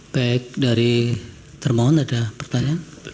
baik dari termohon ada pertanyaan